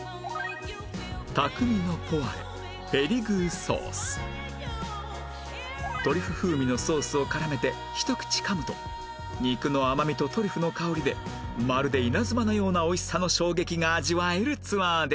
“匠”のポワレペリグーソーストリュフ風味のソースを絡めてひと口かむと肉の甘みとトリュフの香りでまるで稲妻のような美味しさの衝撃が味わえるツアーでした